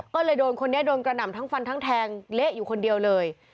ก็เลยโดนคนนี้โดนกระหน่ำทั้งฟันทั้งแทงเละอยู่คนเดียวเลย